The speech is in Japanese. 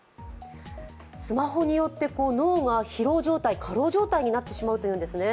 スマホによって脳が疲労状態、過労状態になるということなんです。